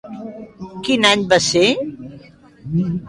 Quin any va ser?